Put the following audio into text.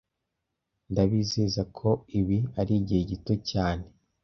Ndabizeza ko ibi arigihe gito cyane